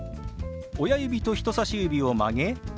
親指と人さし指を曲げ